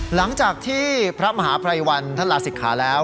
หลังจากที่พระมหาภัยวันท่านลาศิกขาแล้ว